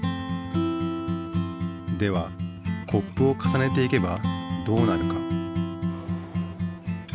ではコップを重ねていけばどうなるか？